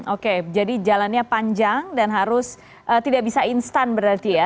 oke jadi jalannya panjang dan harus tidak bisa instan berarti ya